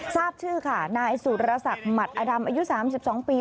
สาบชื่อค่ะนายสุรษะหมัดอดำอายุ๓๒ปี